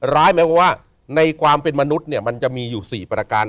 หมายความว่าในความเป็นมนุษย์เนี่ยมันจะมีอยู่๔ประการ